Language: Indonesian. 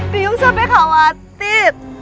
biung sampai khawatir